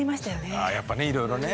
ああやっぱねいろいろね。